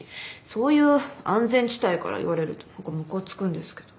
そういう安全地帯から言われると何かムカつくんですけど。